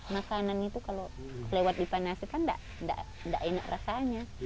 makanan itu kalau lewat dipanaskan tidak enak rasanya